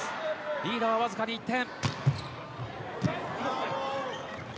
リードは、わずかに１点。